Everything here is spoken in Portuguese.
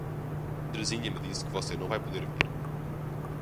Terezinha me disse que você não vai poder vir.